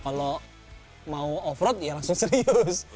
kalau mau off road ya langsung serius